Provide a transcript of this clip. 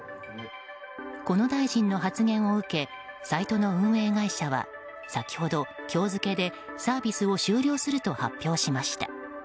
この大臣の発言を受けサイトの運営会社は先ほど、今日付でサービスを終了すると発表しました。